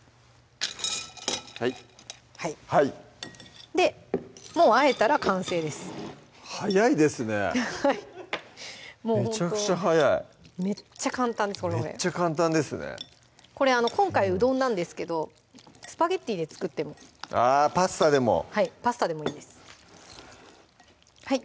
はいはいでもうあえたら完成です早いですねめちゃくちゃ早いめっちゃ簡単ですめっちゃ簡単ですねこれ今回うどんなんですけどスパゲッティで作ってもあぁパスタでもはいパスタでもいいですはい